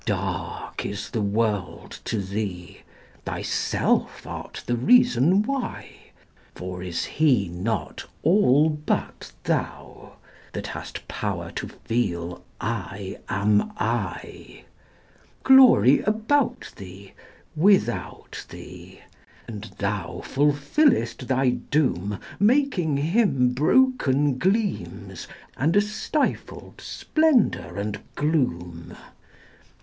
Dark is the world to thee: thyself art the reason why; For is He not all but thou, that hast power to feel 'I am I'?Glory about thee, without thee; and thou fulfillest thy doom, Making Him broken gleams, and a stifled splendour and gloom.